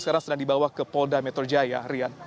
sekarang sedang dibawa ke polda metro jaya rian